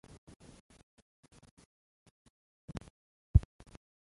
زردآلو د ویټامین A ښه سرچینه ده.